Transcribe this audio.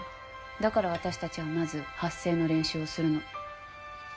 だから私たちはまず発声の練習をするの。